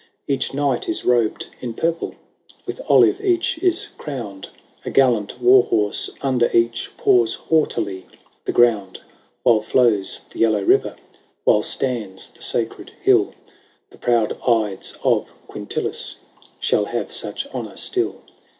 Each Knight is robed in purple, With olive each is crown'd ; A gallant war horse under each Paws haughtily the ground. While flows the Yellow River, While stands the Sacred Hill, The proud Ides of Quintilis Shall have such honour still.